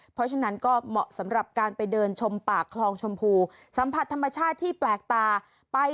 เพราะฉะนั้นก็เหมาะสำหรับการไปเดินชมปากคลองชมพูสัมผัสธรรมชาติที่แปลกตาไป